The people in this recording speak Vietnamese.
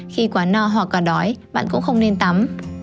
khi quá no hoặc còn đói bạn cũng không nên tắm